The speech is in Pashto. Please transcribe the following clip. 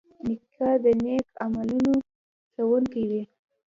نیکه د نیک عملونو ښوونکی وي.